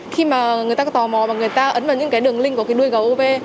khi mà người ta có tò mò và người ta ấn vào những cái đường link của cái đuôi gấu ov